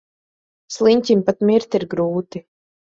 Sliņķim pat mirt ir grūti.